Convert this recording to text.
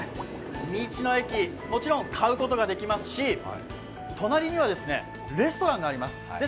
道の駅、もちろん買うことができますし、隣にはレストランがあります。